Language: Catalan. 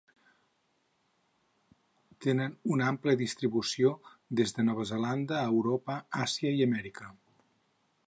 Tenen una àmplia distribució des de Nova Zelanda a Europa, Àsia i Amèrica.